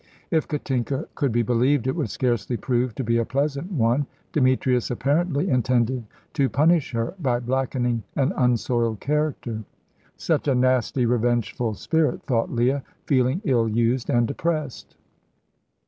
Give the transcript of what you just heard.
If Katinka could be believed it would scarcely prove to be a pleasant one. Demetrius apparently intended to punish her by blackening an unsoiled character. "Such a nasty, revengeful spirit," thought Leah, feeling ill used and depressed.